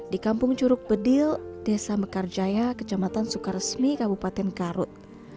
di kampung curug bedil desa mekarjaya kejamatan soekaresmi kabupaten karut